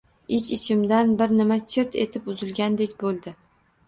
Ich-ichimdan bir nima chirt etib uzilgandek boʻldi.